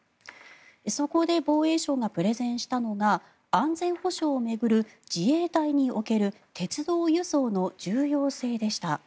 そこで防衛省がプレゼンしたのが安全保障を巡る自衛隊における鉄道輸送の重要性でした。